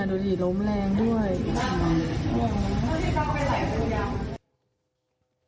นี่ดูถี่ล้มแรงด้วย